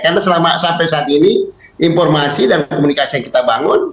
karena sampai saat ini informasi dan komunikasi yang kita bangun